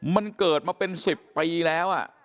มันเกิดมาเป็นสิบปีแล้วอ่ะ